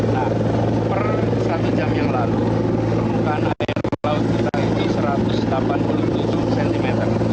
nah per satu jam yang lalu permukaan air laut kita itu satu ratus delapan puluh tujuh cm